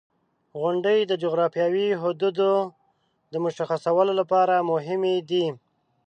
• غونډۍ د جغرافیوي حدودو د مشخصولو لپاره مهمې دي.